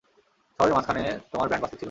শহরের মাঝখানে তোমার ব্যান্ড বাজতেছিল।